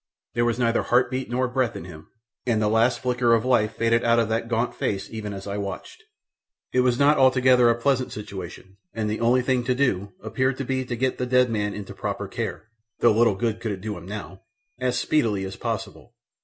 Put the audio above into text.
There was neither heart beat nor breath in him, and the last flicker of life faded out of that gaunt face even as I watched. It was not altogether a pleasant situation, and the only thing to do appeared to be to get the dead man into proper care (though little good it could do him now!) as speedily as possible.